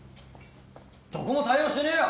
どこも対応してねえよ！